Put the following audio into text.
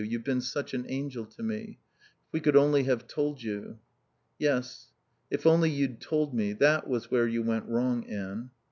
You've been such an angel to me. If we could only have told you." "Yes. If only you'd told me. That was where you went wrong, Anne."